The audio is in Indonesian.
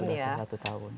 iya sudah satu tahun